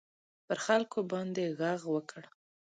پر خلکو باندي ږغ وکړ.